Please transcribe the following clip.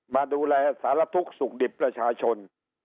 มาดูแลสารทุกข์สุขดิบประชาชน